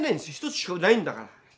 １つしかないんだから。